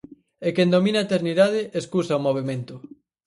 E quen domina a eternidade escusa o movemento.